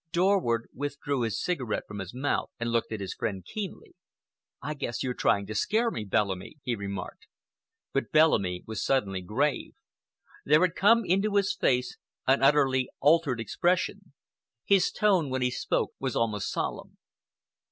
Dorward withdrew his cigarette from his mouth and looked at his friend keenly. "I guess you're trying to scare me, Bellamy," he remarked. But Bellamy was suddenly grave. There had come into his face an utterly altered expression. His tone, when he spoke, was almost solemn.